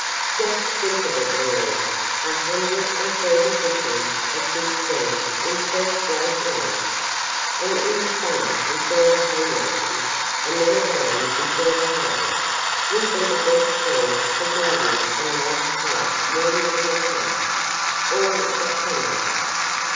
Just think of it, Maria, a hundred and thirty bushels of good seed in first rate land! And in the summer before the hay making, and then again before the harvest, will be the best chance for building a nice tight warm little house, all of tamarack.